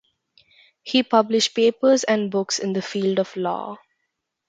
He published papers and books in the field of law.